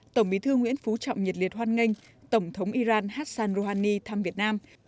tổng bí thư nguyễn phú trọng nhiệt liệt hoan nghênh tổng thống iran hassan rouhani thăm việt nam